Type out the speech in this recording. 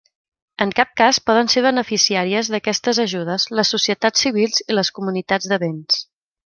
En cap cas poden ser beneficiàries d'aquestes ajudes les societats civils i les comunitats de béns.